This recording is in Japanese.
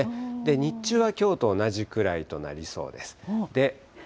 日中はきょうと同じくらいとなりそうです。